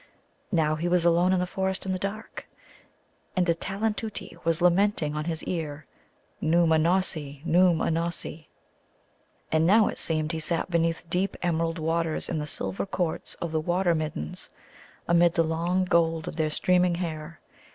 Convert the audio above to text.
Now he was alone in the forest in the dark, and a Talanteuti was lamenting in his ear, "Nōōm anossi, Nōōm anossi." And now it seemed he sat beneath deep emerald waters in the silver courts of the Water middens, amid the long gold of their streaming hair.